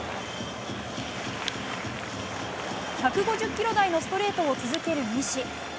１５０キロ台のストレートを続ける西。